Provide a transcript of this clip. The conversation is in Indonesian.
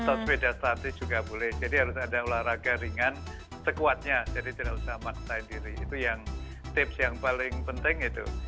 atau sepeda statis juga boleh jadi harus ada olahraga ringan sekuatnya jadi tidak usah maksain diri itu yang tips yang paling penting itu